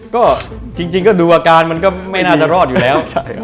ก็จริงก็ดูอาการมันก็ไม่น่าจะรอดอยู่แล้ว